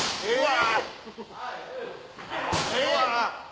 うわ。